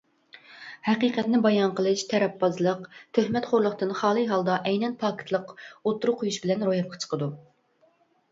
ھەقىقەتنى بايان قىلىش تەرەپبازلىق، تۆھمەتخورلۇقتىن خالىي ھالدا ئەينەن پاكىتلىق ئوتتۇرىغا قويۇش بىلەن روياپقا چىقىدۇ.